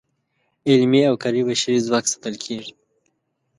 علمي او کاري بشري ځواک ساتل کیږي.